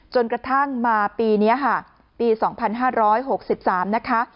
จนกระทั่งมาปีนี้ค่ะปี๒๕๖๓นะคะ